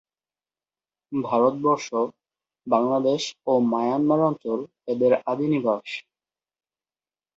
ভারতবর্ষ, বাংলাদেশ ও মায়ানমার অঞ্চল এদের আদি নিবাস।